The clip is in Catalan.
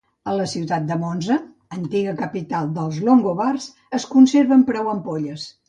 A la ciutat de Monza, antiga capital dels longobards, es conserven prou ampolles.